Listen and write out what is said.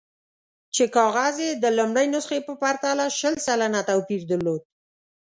چې کاغذ یې د لومړۍ نسخې په پرتله شل سلنه توپیر درلود.